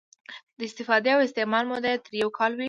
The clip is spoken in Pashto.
د استفادې او استعمال موده یې تر یو کال وي.